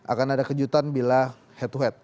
akan ada kejutan bila head to head